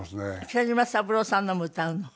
北島三郎さんのも歌うの？